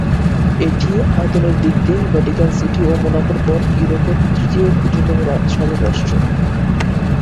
এটি আয়তনের দিক দিয়ে ভ্যাটিকান সিটি ও মোনাকোর পর ইউরোপের তৃতীয় ক্ষুদ্রতম স্বাধীন রাষ্ট্র।